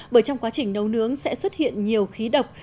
bởi trong quá trình nấu nướng sẽ xuất hiện nhiều khí độc